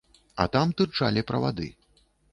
А там тырчалі правады.